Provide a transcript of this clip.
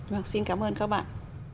vâng xin cảm ơn các bạn